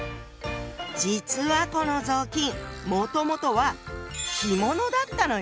実はこの雑巾もともとは着物だったのよ。